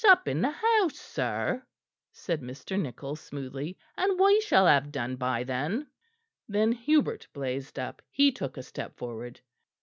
"Sup in the house, sir," said Mr. Nichol smoothly, "and we shall have done by then." Then Hubert blazed up; he took a step forward.